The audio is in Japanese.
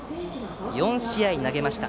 ４試合投げました。